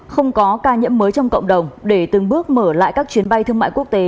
không có ca nhiễm mới trong cộng đồng để từng bước mở lại các chuyến bay thương mại quốc tế